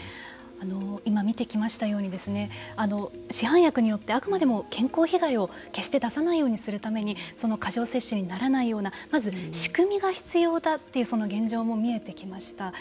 今、見てきましたように市販薬によってあくまでも健康被害を決して出さないようにするために過剰摂取にならないようなまず仕組みが必要だというその現状も見えてきました。